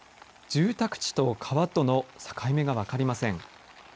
住宅地と川との境目が分かりません。